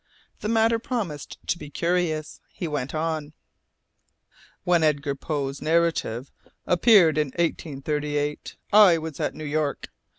The matter promised to be curious. He went on, "When Edgar Poe's narrative appeared in 1838, I was at New York.